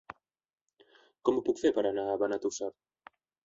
Com ho puc fer per anar a Benetússer?